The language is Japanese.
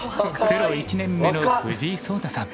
プロ１年目の藤井聡太さん。